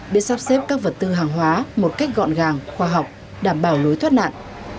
biết sắp xếp các vật tư hàng hóa một cách gọn gàng khoa học đảm bảo lối thoát nạn